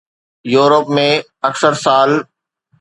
Europe ۾ اڪثر سال